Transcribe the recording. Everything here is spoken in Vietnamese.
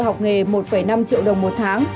học nghề một năm triệu đồng một tháng